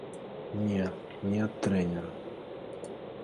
Не, не ад трэнера.